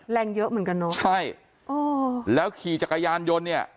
แรงเยอะเหมือนกันเนอะใช่อ๋อแล้วขี่จักรยานยนต์เนี่ย